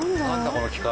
この機械。